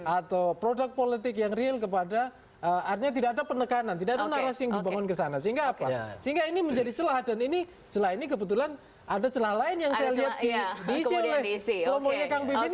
atau produk politik yang real kepada artinya tidak ada penekanan tidak ada narasi yang dibangun ke sana sehingga apa sehingga ini menjadi celah dan ini celah ini kebetulan ada celah lain yang saya lihat diisi oleh kelompoknya kang biden